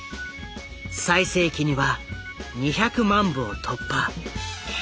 最盛期には２００万部を突破。